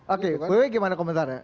oke wewe gimana komentarnya